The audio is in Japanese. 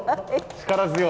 力強い。